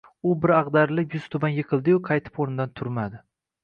U bir agʻdarilib yuztuban yiqildi-yu, qaytib oʻrnidan turmadi.